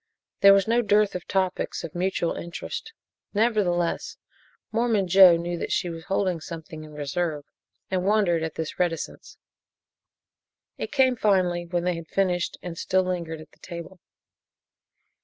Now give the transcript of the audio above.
There was no dearth of topics of mutual interest. Nevertheless, Mormon Joe knew that she was holding something in reserve and wondered at this reticence. It came finally when they had finished and still lingered at the table.